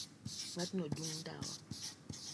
Ng'atno dung' ndawa